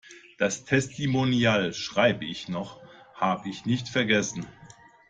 Das Testimonial schreib' ich noch, hab' ich nicht vergessen.